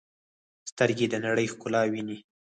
سترګې د نړۍ ښکلا ویني.